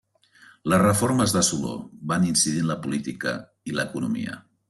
Les reformes de Soló van incidir en la política i l'economia.